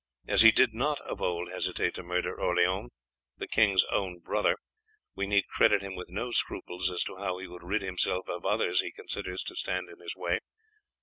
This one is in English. As he did not of old hesitate to murder Orleans, the king's own brother, we need credit him with no scruples as to how he would rid himself of others he considers to stand in his way.